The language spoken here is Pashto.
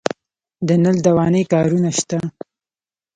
د نل دوانۍ کارونه شته